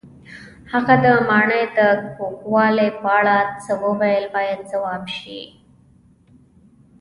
هغه د ماڼۍ د کوږوالي په اړه څه وویل باید ځواب شي.